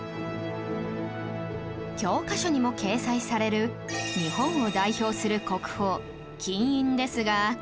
教科書にも掲載される日本を代表する国宝金印ですが